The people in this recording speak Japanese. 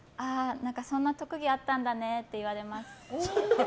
そんな特技あったんだねって言われます。